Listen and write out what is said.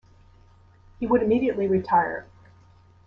He would immediately retire.